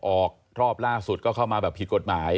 ออกรอบล่าสุดก็เข้ามาแบบผิดกฎหมาย